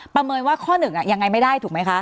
ประเมินว่าข้อหนึ่งยังไงไม่ได้ถูกไหมคะ